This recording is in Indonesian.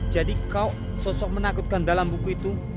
jadi kau sosok menakutkan dalam buku itu